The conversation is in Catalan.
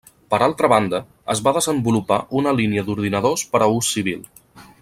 Per altra banda, es va desenvolupar una línia d'ordinadors per a ús civil.